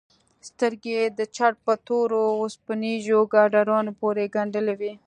سترگې يې د چت په تورو وسپنيزو ګاډرونو پورې گنډلې وې.